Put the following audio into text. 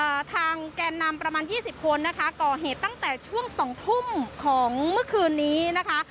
ทางแกนนำประมาณยี่สิบคนนะคะก่อเหตุตั้งแต่ช่วงสองทุ่มของเมื่อคืนนี้นะคะ